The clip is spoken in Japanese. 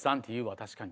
確かに。